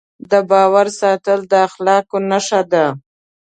د باور ساتل د اخلاقو نښه ده.